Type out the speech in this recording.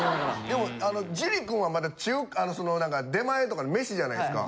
でも樹くんはまだ出前とか飯じゃないですか。